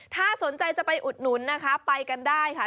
ถ้าสนใจจะไปอุดหนุนนะคะไปกันได้ค่ะ